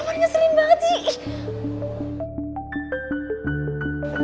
roman ngeselin banget sih